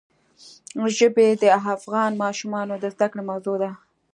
ژبې د افغان ماشومانو د زده کړې موضوع ده.